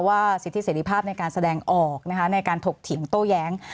ว่าสิทธิเสร็จริภาพในการแสดงออกนะคะในการถกถิ่มโต๊ะแย้ง